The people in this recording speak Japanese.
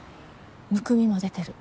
むくみも出てる。